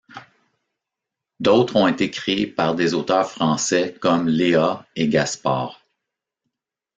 D’autres ont été créés par des auteurs français comme Léa et Gaspard.